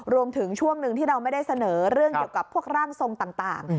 รวมถึงช่วงหนึ่งที่เราไม่ได้เสนอเรื่องเกี่ยวกับพวกร่างทรงต่าง